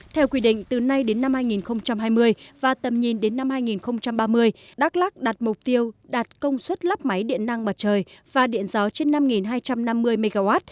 theo quy định từ nay đến năm hai nghìn hai mươi và tầm nhìn đến năm hai nghìn ba mươi đắk lắc đặt mục tiêu đạt công suất lắp máy điện năng mặt trời và điện gió trên năm hai trăm năm mươi mw